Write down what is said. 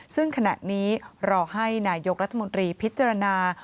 ซึ่งขณะนี้รอให้นายกรัฐมนตรีพิจารณา